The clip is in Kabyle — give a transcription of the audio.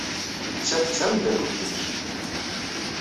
Nettat d tameddakelt-nnek.